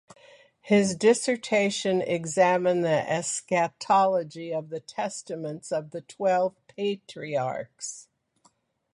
His dissertation examined the eschatology of the Testaments of the Twelve Patriarchs.